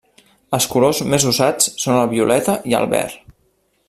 Els colors més usats són el violeta i el verd.